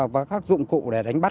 và các dụng cụ để đánh bắt